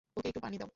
ওকে একটু পানি দাও।